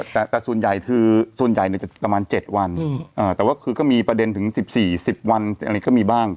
แต่ส่วนใหญ่คือส่วนใหญ่จะประมาณ๗วันแต่ว่าคือก็มีประเด็นถึง๑๔๐วันอะไรก็มีบ้าง